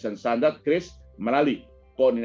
itu juga merek teorit